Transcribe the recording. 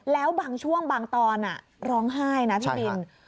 แล้วบางช่วงบางตอนร้องไห้นะพี่บิน